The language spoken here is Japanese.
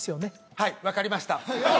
はい分かりました